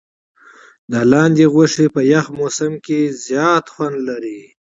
د لاندي غوښي د یخ په موسم کي زیات خوند لري.